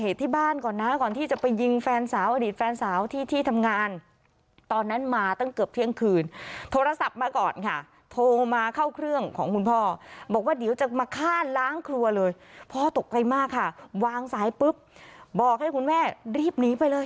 โทรมาเข้าเครื่องของคุณพ่อบอกว่าเดี๋ยวจะมาค่านล้างครัวเลยพ่อตกไกลมากค่ะวางสายปุ๊บบอกให้คุณแม่รีบหนีไปเลย